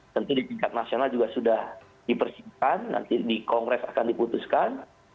tentu di tingkat nasional juga sudah dipersiapkan nanti di kongres akan diputuskan